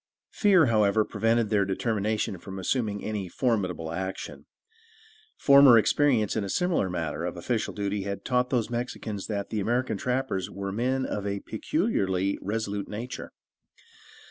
Fear, however, prevented their determination from assuming any very formidable action. Former experience in a similar matter of official duty had taught those Mexicans that the American trappers were men of a peculiarly resolute nature.